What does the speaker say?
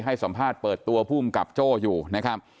ให้สัมภาษณ์เปิดตัวภูมิกับโจ้อยู่นะครับ